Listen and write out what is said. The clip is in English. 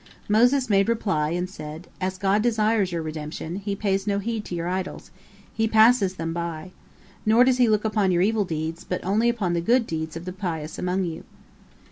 Moses made reply, and said: "As God desires your redemption, He pays no heed to your idols; He passes them by. Nor does He look upon your evil deeds, but only upon the good deeds of the pious among you."